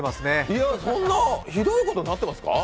いや、そんなひどいことになってますか？